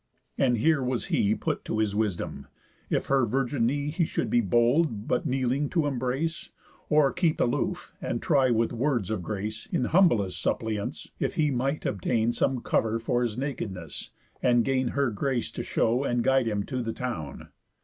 And here was he Put to his wisdom; if her virgin knee He should be bold, but kneeling, to embrace, Or keep aloof, and try with words of grace, In humblest suppliance, if he might obtain Some cover for his nakedness, and gain Her grace to show and guide him to the town.